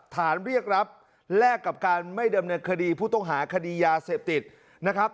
เรียกรับแลกกับการไม่ดำเนินคดีผู้ต้องหาคดียาเสพติดนะครับ